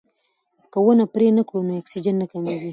که ونې پرې نه کړو نو اکسیجن نه کمیږي.